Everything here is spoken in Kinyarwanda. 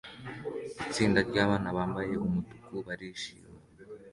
Isinzi ry'abana bambaye umutuku barishima